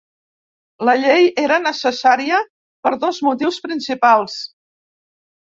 La llei era necessària per dos motius principals.